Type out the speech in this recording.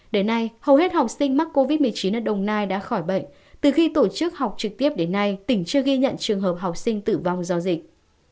đến nay hầu hết học sinh mắc covid một mươi chín ở đồng nai đã khỏi bệnh từ khi tổ chức học trực tiếp đến nay tỉnh chưa ghi nhận trường hợp học sinh tử vong do dịch